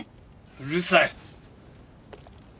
うるさい！